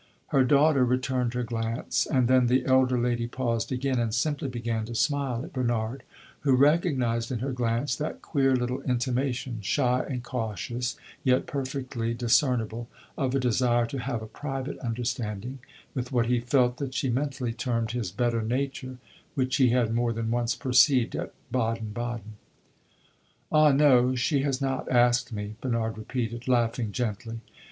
Her daughter returned her glance, and then the elder lady paused again, and simply began to smile at Bernard, who recognized in her glance that queer little intimation shy and cautious, yet perfectly discernible of a desire to have a private understanding with what he felt that she mentally termed his better nature, which he had more than once perceived at Baden Baden. "Ah no, she has not asked me," Bernard repeated, laughing gently.